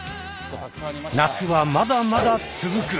夏はまだまだつづく！